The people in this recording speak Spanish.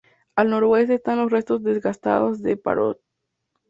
Al noroeste están los restos desgastados de Parrot.